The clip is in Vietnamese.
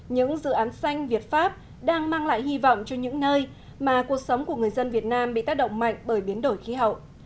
những dự án xanh việt pháp đang mang lại hy vọng cho những nơi mà cuộc sống của người dân việt nam bị tác động mạnh bởi biến đổi khí hậu